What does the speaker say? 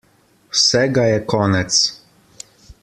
Vsega je konec.